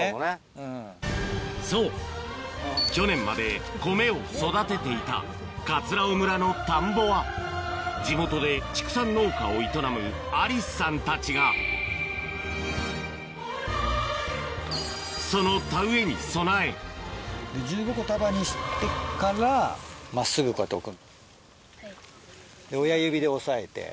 そう去年まで米を育てていた尾村の田んぼは地元で畜産農家を営む愛梨朱さんたちがその田植えに備え１５個束にしてから真っすぐこうやって置く。